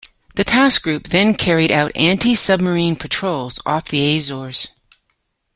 The task group then carried out antisubmarine patrols off the Azores.